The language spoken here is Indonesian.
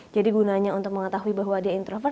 jadi gunanya untuk mengetahui bahwa dia introvert